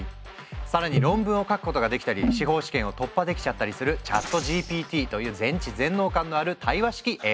更に論文を書くことができたり司法試験を突破できちゃったりするＣｈａｔＧＰＴという全知全能感のある対話式ＡＩ。